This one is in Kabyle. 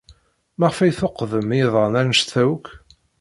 Maɣef ay tukḍemt iḍan anect-a akk?